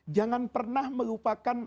jangan pernah melupakan